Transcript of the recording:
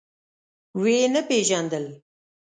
ويې نه پيژاندل.